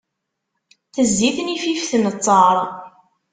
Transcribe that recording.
Tezzi tnifift n ttaṛ.